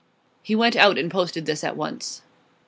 He went out and posted this at once.